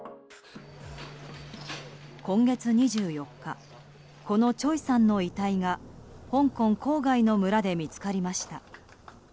今月２４日このチョイさんの遺体が香港郊外の村で見つかりました。